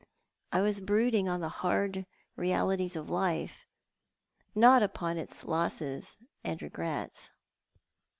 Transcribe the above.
I was brooding on the hard realities of life; not upon its losses and regrets."